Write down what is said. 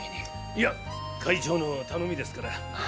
いや会長の頼みですから。